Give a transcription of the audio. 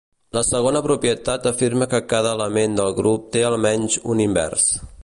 La segona propietat afirma que cada element del grup té almenys un invers.